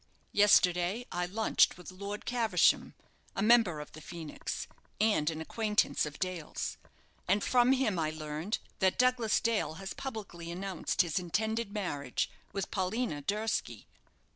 Yesterday I lunched with Lord Caversham, a member of the Phoenix, and an acquaintance of Dale's; and from him I learned that Douglas Dale has publicly announced his intended marriage with Paulina Durski."